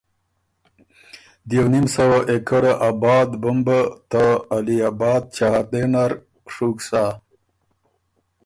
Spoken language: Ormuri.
دیوونیم سوه اېکړه آباد بُمبه ته علی اباد چهارده نر ڒُوک سَۀ۔